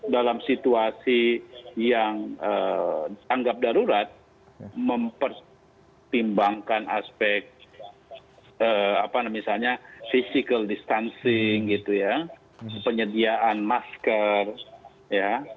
dalam situasi yang tanggap darurat mempertimbangkan aspek apa namanya physical distancing gitu ya penyediaan masker ya